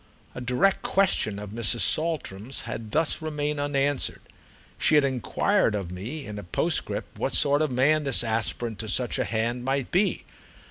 A direct question of Mrs. Saltram's had thus remained unanswered—she had enquired of me in a postscript what sort of man this aspirant to such a hand might be.